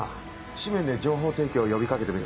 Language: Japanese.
誌面で情報提供呼び掛けてみる。